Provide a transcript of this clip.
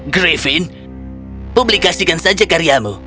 griffin publikasikan saja karyamu